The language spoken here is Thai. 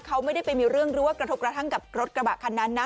เขาไม่ได้ไปมีเรื่องหรือว่ากระทบกระทั่งกับรถกระบะคันนั้นนะ